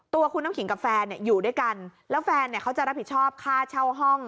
ตัวคุณน้ำขิงกับแฟนเนี่ยอยู่ด้วยกันแล้วแฟนเนี่ยเขาจะรับผิดชอบค่าเช่าห้อง